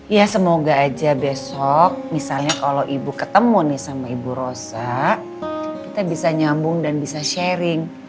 ya semoga aja besok misalnya kalau ibu ketemu nih sama ibu rosa kita bisa nyambung dan bisa sharing